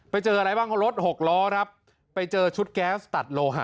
ไปเจออะไรบ้างรถหกล้อครับไปเจอชุดแก๊สตัดโลหะ